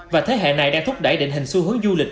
và thế hệ này đang thúc đẩy định hình xu hướng du lịch